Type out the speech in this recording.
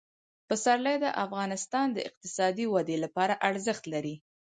پسرلی د افغانستان د اقتصادي ودې لپاره ارزښت لري.